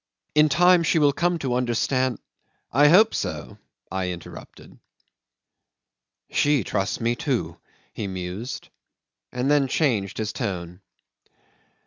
In time she will come to understand ..." "I hope so," I interrupted. "She trusts me, too," he mused, and then changed his tone.